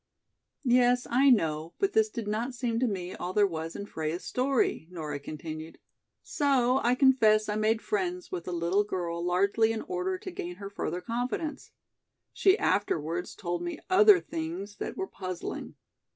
"Yes, I know, but this did not seem to me all there was in Freia's story," Nora continued. "So I confess I made friends with the little girl largely in order to gain her further confidence. She afterwards told me other things that were puzzling.